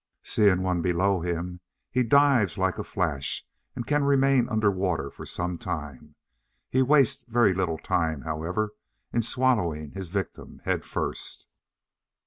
Seeing one below him, he dives like a flash, and can remain under water for some time; he wastes very little time, however, in swallowing his victim head first.